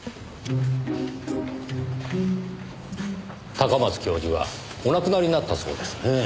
高松教授がお亡くなりになったそうですねぇ。